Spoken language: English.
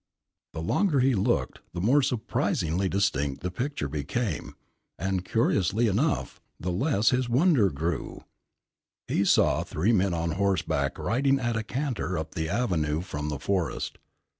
The longer he looked, the more surprisingly distinct the picture became, and, curiously enough, the less his wonder grew. He saw three men on horseback riding at a canter up the avenue from the forest.